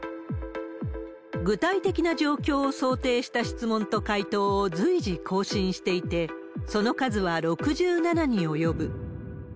具体的な状況を想定した質問と回答を随時更新していて、その数は６７に及ぶ。